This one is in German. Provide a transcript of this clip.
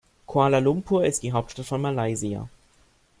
Kuala Lumpur ist die Hauptstadt von Malaysia.